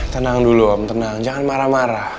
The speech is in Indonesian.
tenang dulu om tenang jangan marah marah